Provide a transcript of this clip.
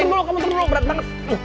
kamu kamu kamu berat banget